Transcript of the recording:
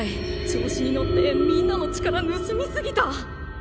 調子に乗ってみんなの力ぬすみ過ぎた！？